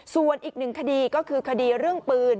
ส่วนอีกหนึ่งคดีก็คือคดีเรื่องปืน